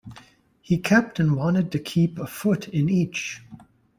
He kept and wanted to keep a foot in each.